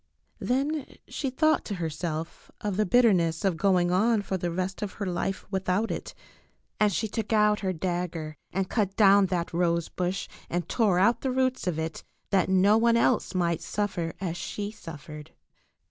Then she thought to herself of the bitterness of going on for the rest of her life without it, and she took out her dagger and cut down that rose bush and tore out the roots of it, that no one else might suffer as she suf fered.